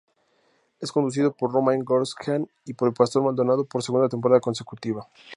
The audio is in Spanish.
Es conducido por Romain Grosjean y por Pastor Maldonado por segunda temporada consecutiva.